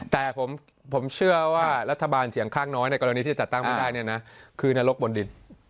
แต่ผมเชื่อว่ารัฐบาลเสียงข้างน้อยในกรณีที่จะจัดตั้งไม่ได้เนี่ยนะคือนรกบนดิน